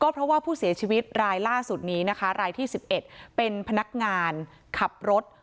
เพราะว่าผู้เสียชีวิตรายล่าสุดนี้นะคะรายที่๑๑เป็นพนักงานขับรถ